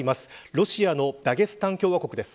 ロシアのダゲスタン共和国です。